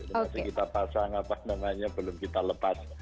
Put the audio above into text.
jadi masih kita pasang apa namanya belum kita lepas